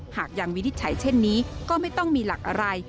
หากยังวินิจฉัยเช่นนี้ก็ไม่ต้องมีหลักอะไร